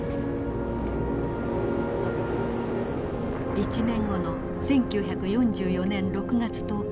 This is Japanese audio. １年後の１９４４年６月１０日。